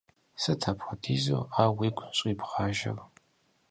Сыт апхуэдизу ар уигу щӀрибгъажэр?